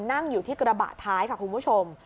นั่งอยู่ที่กระบะท้ายค่ะคุณผู้ชม